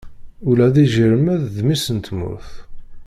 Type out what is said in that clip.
Ula d ijiṛmeḍ d mmis n tmurt.